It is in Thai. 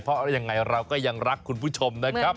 เพราะยังไงเราก็ยังรักคุณผู้ชมนะครับ